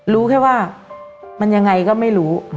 รู้แค่ว่ามันยังไงก็ไม่รู้